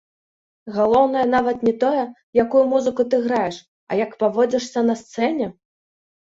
Галоўнае нават не тое, якую музыку ты граеш, а як паводзішся на сцэне.